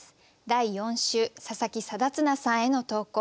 第４週佐佐木定綱さんへの投稿。